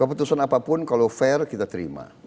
keputusan apapun kalau fair kita terima